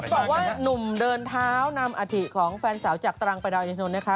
บอกว่าหนุ่มเดินเท้านำอาถิของแฟนสาวจากตรังไปดาวอินทนนท์นะคะ